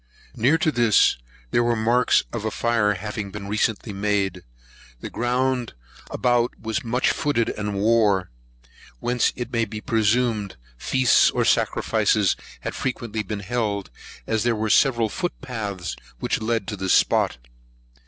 Near to this, there were marks of a fire having been recently made. The ground about was much footed and wore; whence it may be presumed feasts or sacrifices had been frequently held, as there were several foot paths which led to this spot.